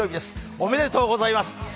おめでとうございます。